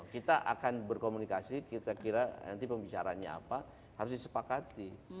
kita akan berkomunikasi kita kira nanti pembicaranya apa harus disepakati